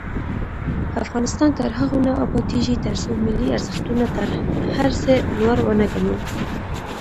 افغانستان تر هغو نه ابادیږي، ترڅو ملي ارزښتونه تر هر څه لوړ ونه ګڼو.